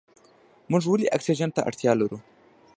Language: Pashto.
موږ ولې اکسیجن ته اړتیا لرو؟